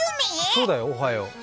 そうだよ、おはよう。